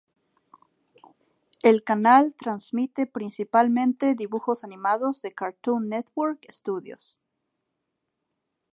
El canal transmite principalmente dibujos animados de Cartoon Network Studios.